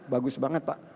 bagus banget pak